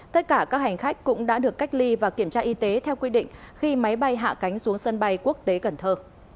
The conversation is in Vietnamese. tất cả các hành khách cũng đã được cách ly và kiểm tra y tế theo quy định khi máy bay hạ cánh xuống sân bay quốc tế cần thơ